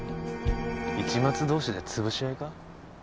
市松同士でつぶし合いか？